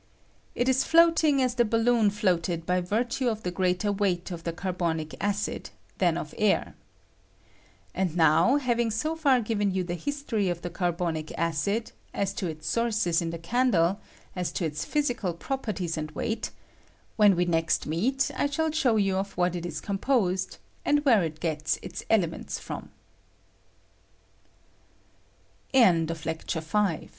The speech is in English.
] It is floating as the balloon floated by virtue of the greater weight of the carbonic acid than of the air. And now, having so far given you ttjie history of the carbonic acid, as to its sources in" the candle, as to ite physical properties and weight, when we next meet I shall show you of what it is composed, and where it gets